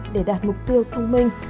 để đạt mục tiêu thông minh